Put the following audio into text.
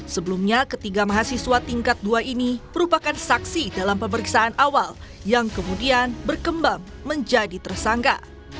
sebelumnya ketiga mahasiswa tingkat dua ini merupakan saksi dalam pemeriksaan awal yang kemudian berkembang menjadi tersangka